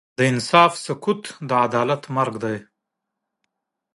د ظلم سکوت، د عدالت مرګ دی.